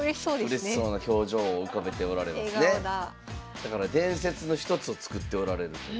だから伝説の一つを作っておられると。